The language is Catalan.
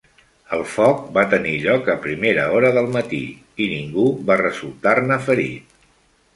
El foc va tenir lloc a primera hora del matí i ningú va resultar-ne ferit.